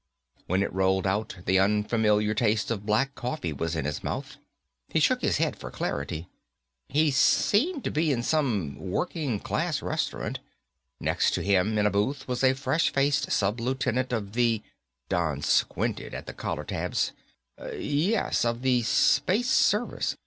When it rolled out, the unfamiliar taste of black coffee was in his mouth. He shook his head for clarity. He seemed to be in some working class restaurant. Next to him, in a booth, was a fresh faced Sub lieutenant of the Don squinted at the collar tabs yes, of the Space Service.